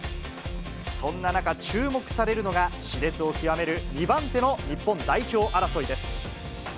そんな中、注目されるのが、しれつを極める２番手の日本代表争いです。